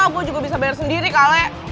gue juga bisa bayar sendiri kakek